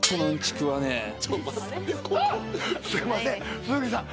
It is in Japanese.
すいません。